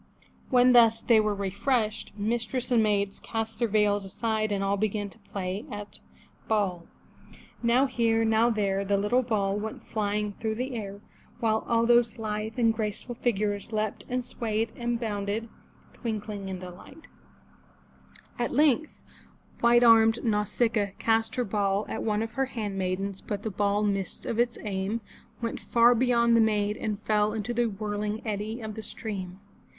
When thus they were refreshed, mistress and maids cast their veils aside and all began to play at ball. Now here, now there, the little ball went flying through the air, while all those lithe and graceful figures leapt and swayed and bounded, twinkling in the light. 428 FROM THE TOWER WINDOW At length, white armed Nau sic'a a cast her ball at one of her handmaidens, but the ball missed of its aim, went far beyond the maid and fell into a whirling eddy of the stream.